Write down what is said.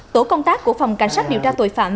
tổ công tác của phòng cảnh sát điều tra tội phạm